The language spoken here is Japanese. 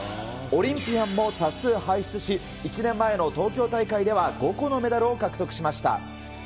オリンピアンも多数輩出し、１年前の東京大会では５個のメダルを獲得しました。